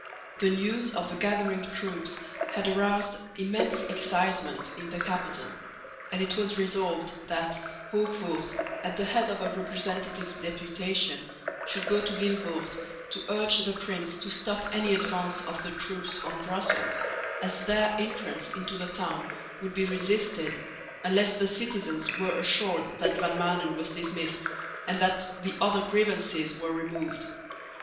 The news of the gathering troops had aroused immense excitement in the capital; and it was resolved that Hoogvoort, at the head of a representative deputation, should go to Vilvoorde to urge the prince to stop any advance of the troops on Brussels, as their entrance into the town would be resisted, unless the citizens were assured that Van Maanen was dismissed, and that the other grievances were removed.